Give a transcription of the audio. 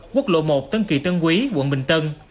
quốc lộ một tân kỳ tân quý quận bình tân